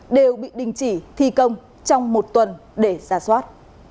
đều bị đình chỉ thi công trong một tuần để ra soát